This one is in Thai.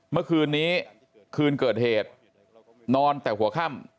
เมื่อคืนนี้คืนเกิดเหตุนอนแต่หัวค่ำ